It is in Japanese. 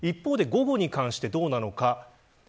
一方で、午後に関してどうなのか。